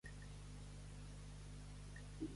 No em reprodueixis mai més el tema aquest que sona.